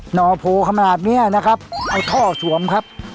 หนอโผล่คำนาจนี้นะครับเอาท่อสวมครับ